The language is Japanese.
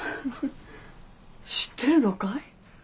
知ってるのかい？